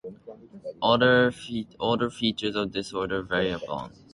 Other features of the disorder vary among affected individuals.